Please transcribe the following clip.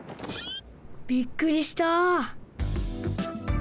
びっくりした！